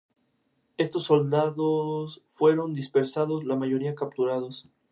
Construye sus madrigueras en lo alto de árboles, arbustos y cactáceas columnares.